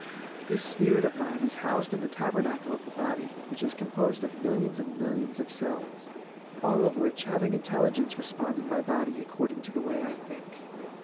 This spirit of mine is housed in the Tabernacle of the body which is composed of millions and millions of cells, all of which having intelligence respond in my body according to the way I think.